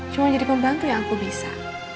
cuma jadi pembantu yang aku bisa